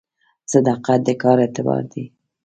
صداقت د کار اعتبار دی